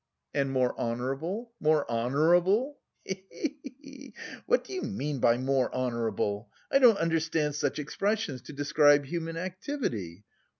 "And more honourable, more honourable, he he he!" "What do you mean by 'more honourable'? I don't understand such expressions to describe human activity.